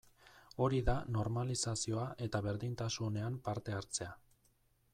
Hori da normalizazioa eta berdintasunean parte hartzea.